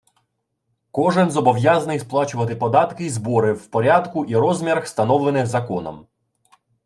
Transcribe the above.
Кожен зобов'язаний сплачувати податки і збори в порядку і розмірах, встановлених законом